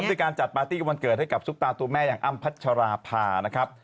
ด้วยการจัดปาร์ตี้วันเกิดให้กับซุปตาตัวแม่อย่างอ้ำพัชราภานะครับ